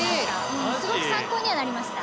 すごく参考にはなりました。